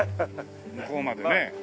向こうまでね。